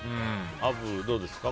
アブ、どうですか。